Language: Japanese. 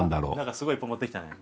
すごいいっぱい持ってきたね。